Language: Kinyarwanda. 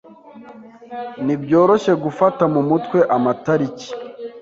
Ntibyoroshye gufata mu mutwe amatariki.